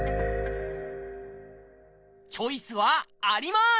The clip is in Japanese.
チョイスはあります！